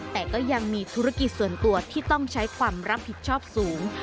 แต่ก็ยังมีธุรกิจส่วนตัวที่ต้องใช้ความรับผิดชอบสูง